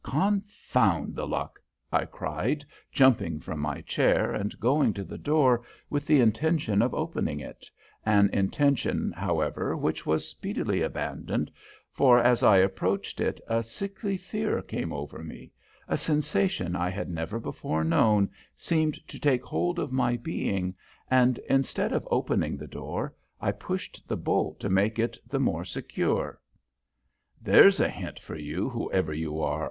"Confound the luck!" I cried, jumping from my chair and going to the door with the intention of opening it, an intention however which was speedily abandoned, for as I approached it a sickly fear came over me a sensation I had never before known seemed to take hold of my being, and instead of opening the door, I pushed the bolt to make it the more secure. "There's a hint for you, whoever you are!"